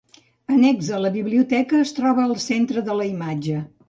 Annex a la biblioteca es troba el Centre de la Imatge.